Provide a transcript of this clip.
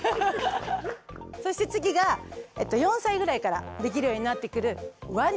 そして次が４歳ぐらいからできるようになってくるワニ。